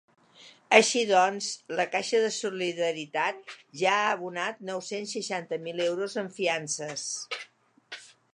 Així doncs, la caixa de solidaritat ja ha abonat nou-cents seixanta mil euros en fiances.